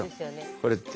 これって。